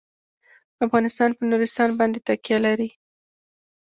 افغانستان په نورستان باندې تکیه لري.